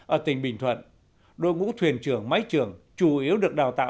ở tỉnh bình thuận đội ngũ thuyền trường máy trường chủ yếu được đào tạo